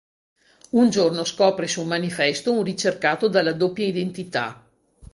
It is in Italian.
Un giorno scopre su un manifesto un ricercato dalla doppia identità.